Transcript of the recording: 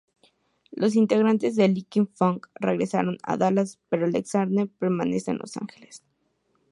Los integrantes de Liquid Funk regresaron a Dallas, pero Alexander permanece en Los Angeles.